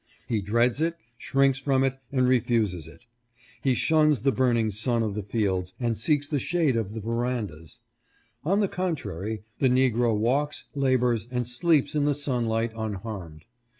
He dreads it, shrinks from it, and refuses it. He shuns the burning sun of the fields, and seeks the shade of the verandas. On the contra ry, the negro walks, labors, and sleeps in the sunlight unharmed.